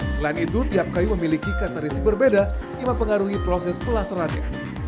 selain itu tiap kayu memiliki karakteristik berbeda yang akan mengaruhi proses pelaserannya